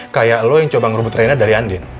seperti anda yang mencoba merebut reina dari andien